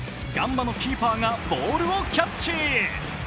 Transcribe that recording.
ガンバのキーパーがボールをキャッチ。